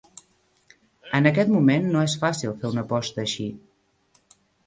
En aquest moment no és fàcil fer una aposta així.